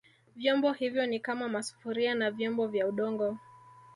Vyombo hivyo ni kama masufuria na vyombo vya Udongo